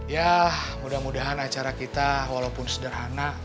ya mudah mudahan acara kita walaupun sederhana